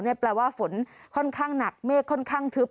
แปลว่าฝนค่อนข้างหนักเมฆค่อนข้างทึบ